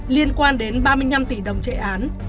liên quan đến ba mươi năm tỷ đồng chạy án